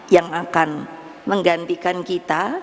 yang akan menggantikan kita